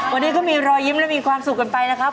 วันนี้ก็มีรอยยิ้มและมีความสุขกันไปนะครับ